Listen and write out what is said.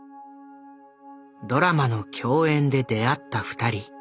ドラマの共演で出会った２人。